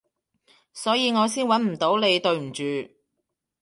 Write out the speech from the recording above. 所以我先搵唔到你，對唔住